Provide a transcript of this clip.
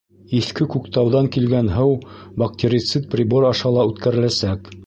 Иҫке Күктауҙан килгән һыу бактерицид прибор аша ла үткәреләсәк.